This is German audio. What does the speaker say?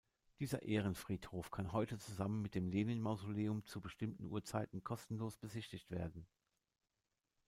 Dieser Ehrenfriedhof kann heute zusammen mit dem Lenin-Mausoleum zu bestimmten Uhrzeiten kostenlos besichtigt werden.